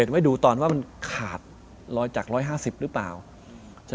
เสจไม่ดูตอนว่ามันขาดจาก๑๕๐หรือเปล่า